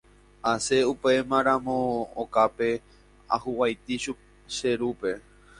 Asẽ upémaramo okápe ahuvaitĩ che rúpe.